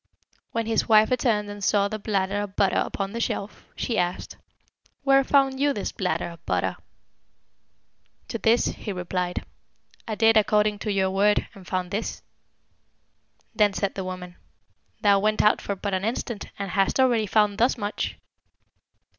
When his wife returned and saw the bladder of butter upon the shelf, she asked, 'Where found you this bladder of butter?' To this he replied, 'I did according to your word, and found this.' Then said the woman 'Thou went out but for an instant, and hast already found thus much.'